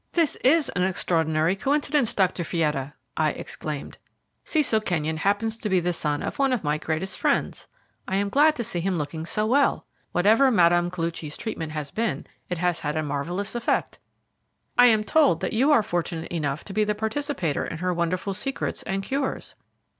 "This is an extraordinary coincidence, Dr. Fietta!" I exclaimed. "Cecil Kenyon happens to be the son of one of my greatest friends. I am glad to see him looking so well. Whatever Mme. Koluchy's treatment has been, it has had a marvellous effect. I am told that you are fortunate enough to be the participator in her wonderful secrets and cures."